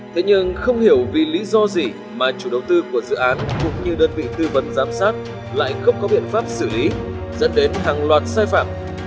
thế nhưng không hiểu vì lý do gì mà chủ đầu tư của dự án cũng như đơn vị tư vấn giám sát lại không có biện pháp xử lý dẫn đến hàng loạt sai phạm